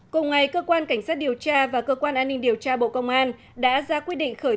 cùng ngày cơ quan cảnh sát điều tra và cơ quan an ninh điều tra bộ công an đã ra quyết định khởi